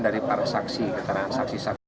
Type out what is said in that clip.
dari para saksi keterangan saksi saksi